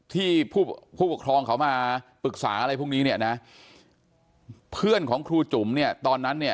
ที่ผู้ปกครองเขามาปรึกษาอะไรพวกนี้เนี่ยนะเพื่อนของครูจุ๋มเนี่ยตอนนั้นเนี่ย